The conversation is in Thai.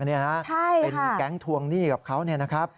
ใช่ค่ะเป็นแก๊งทวงหนี้กับเขานะครับ